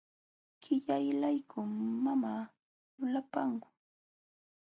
Qillaylaykum mamaa lulapankun.